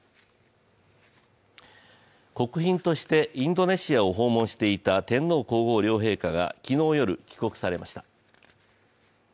国賓としてインドネシアを訪問していた天皇皇后両陛下が昨日夜、帰国されました。